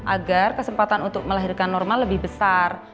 agar kesempatan untuk melahirkan normal lebih besar